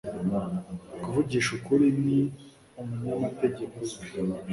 Kuvugisha ukuri, ni umunyamategeko uzwi.